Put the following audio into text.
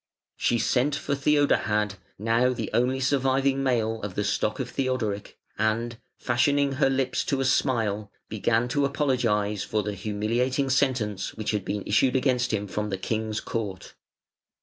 She sent for Theodahad, now the only surviving male of the stock of Theodoric, and, fashioning her lips to a smile, began to apologise for the humiliating sentence which had issued against him from the King's Court.